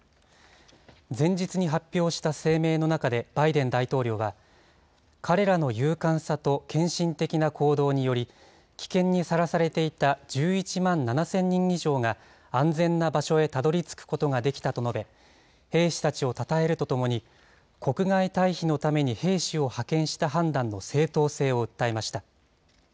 前日に発表した声明の中で、バイデン大統領は、彼らの勇敢さと献身的な行動により、危険にさらされていた、１１万７０００人以上が安全な場所へたどりつくことができたと述べ、兵士たちをたたえるとともに、国外退避のために兵士を派遣した判断の正当性を訴えました。